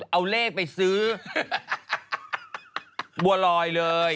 เอาเลขไปซื้อบัวลอยเลย